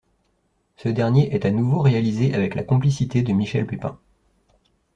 Ce dernier est à nouveau réalisé avec la complicité de Michel Pépin.